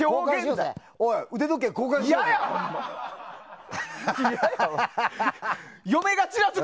おい、腕時計交換しようぜ！